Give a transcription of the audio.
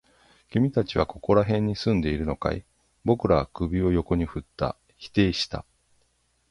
君たちはここら辺に住んでいるのかい？僕らは首を横に振った。否定した。